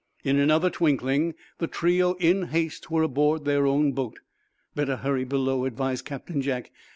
In another twinkling the trio in haste were aboard their own boat. "Better hurry below," advised Captain Jack.